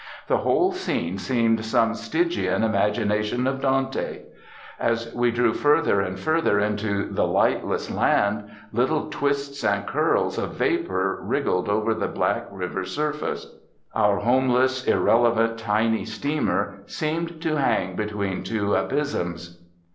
The whole scene seemed some Stygian imagination of Dante. As we drew further and further into that lightless land, little twists and curls of vapour wriggled over the black river surface. Our homeless, irrelevant, tiny steamer seemed to hang between two abysms.